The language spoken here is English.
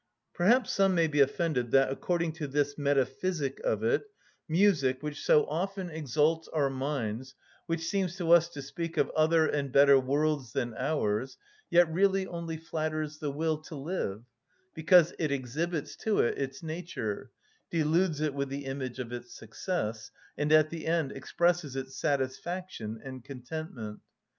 Perhaps some may be offended, that, according to this metaphysic of it, music, which so often exalts our minds, which seems to us to speak of other and better worlds than ours, yet really only flatters the will to live, because it exhibits to it its nature, deludes it with the image of its success, and at the end expresses its satisfaction and contentment.